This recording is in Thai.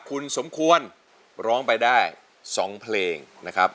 คุณสมควรร้องไปได้๒เพลงนะครับ